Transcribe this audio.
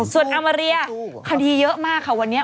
ส่วนอามาเรียคดีเยอะมากค่ะวันนี้